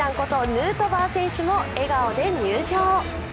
ヌートバー選手も笑顔で入場。